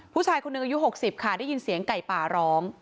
ผู้ชายคนหนึ่งอายุ๖๐ค่ะได้ยินเสียงไก่ป่าร้อง